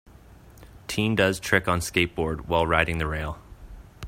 Teen does trick on skateboard while riding the rail.